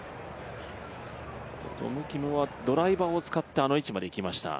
トム・キムはドライバーを使ってあの位置までいきました。